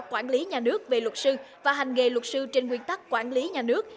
quản lý nhà nước về luật sư và hành nghề luật sư trên nguyên tắc quản lý nhà nước